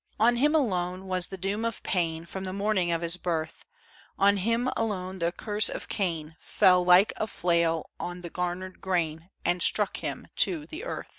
On him alone was the doom of pain, From the morning of his birth; On him alone the curse of Cain Fell, like a flail on the garnered grain, And struck him to the earth!